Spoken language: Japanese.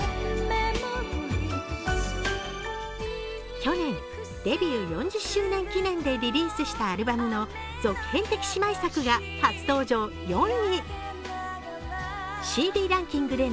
去年、デビュー４０周年記念でリリースしたアルバムの続編的姉妹作が初登場４位。